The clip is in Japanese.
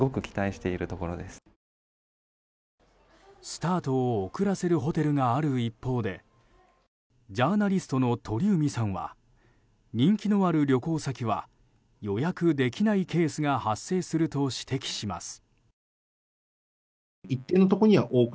スタートを遅らせるホテルがある一方でジャーナリストの鳥海さんは人気のある旅行先は予約できないケースが発生すると指摘します。